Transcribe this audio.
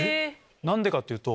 何でかっていうと。